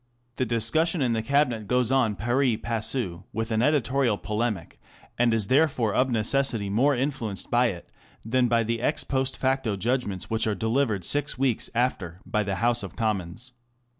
The discussion in the Cabinet goes on pari passu with the editorial polemic, and is therefore of necessity more influenced by it than by the ex post facto judgments which are delivered six weeks after by the House of Commons.